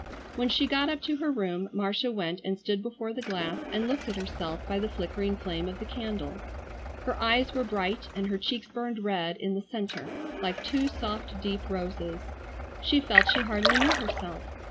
When she got up to her room Marcia went and stood before the glass and looked at herself by the flickering flame of the candle. Her eyes were bright and her cheeks burned red in the centre like two soft deep roses. She felt she hardly knew herself.